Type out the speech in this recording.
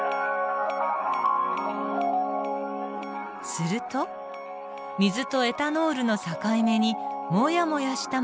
すると水とエタノールの境目にモヤモヤしたものが見えてきました。